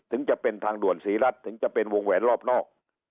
ถึงจะเป็นทางด่วนศรีรัฐถึงจะเป็นวงแหวนรอบนอก